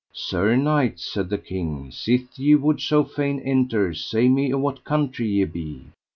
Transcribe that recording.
Sir knight, said the king, sith ye would so fain enter, say me of what country ye be.